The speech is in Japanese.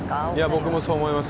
僕もそう思います